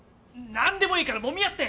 なんでもいいからもみ合って！